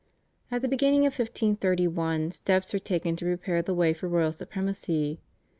At the beginning of 1531 steps were taken to prepare the way for royal supremacy.